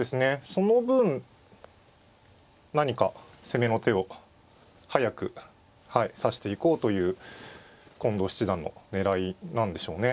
その分何か攻めの手を早く指していこうという近藤七段の狙いなんでしょうね。